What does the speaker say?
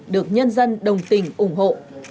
được nhân dân đồng tình ủng hộ